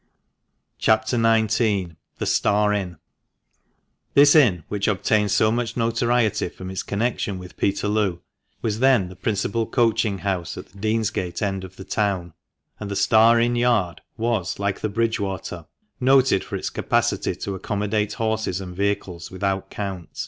CHAP. XIX. — THE STAR INN.— This inn, which obtained so much notoriety from its connection with Peterloo, was then the principal coaching house at the Deansgate end of the town, and the 'Star Inn" yard was like the " Bridgewater," noted for its capacity to accommodate horses and vehicles without count.